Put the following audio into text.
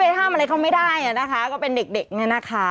ห้ามอะไรเขาไม่ได้นะคะก็เป็นเด็กเนี่ยนะคะ